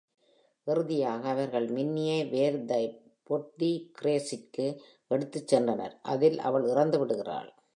இறுதியாக, அவர்கள் மின்னியை "வேர் தை புட் தி கிரேசிற்கு” எடுத்துச் சென்றனர், அதில் அவள் இறந்துவிடுகிறாள்.